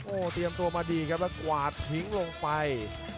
โอ้โหเตรียมตัวมาดีครับแล้วกวาดทิ้งลงไป